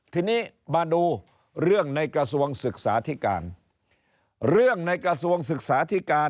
ทีนี้มาดูเรื่องในกระทรวงศึกษาธิการเรื่องในกระทรวงศึกษาธิการ